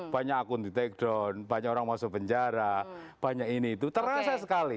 banyak akun di take down banyak orang masuk penjara banyak ini itu terasa sekali